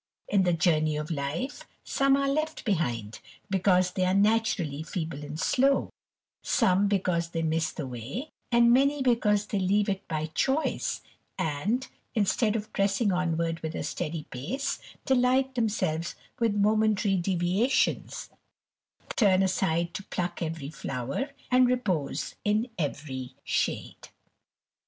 In the journey of life some are left behind, because they are naturally feeble and slow ; some because they miss the way, and many because they leave it by choice, and, instead of pressing onward with a steady pace, delight themselves with momentary deviations, turn aside to pluck every flower, and repose in every shade.